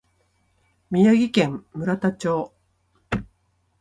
宮城県村田町